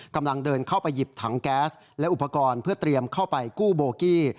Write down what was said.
กำลังเดินเข้าไปหยิบถังแก๊สและอุปกรณ์เพื่อเตรียมเข้าไปกู้โบกี้